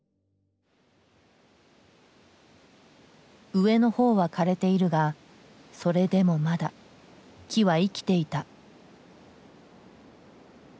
上のほうは枯れているがそれでもまだ木は生きていた。